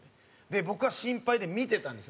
僕は心配で見てたんですよ